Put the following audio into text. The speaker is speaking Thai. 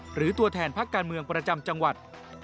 หรือตัวแทนพักการเมืองประจำจังหวัด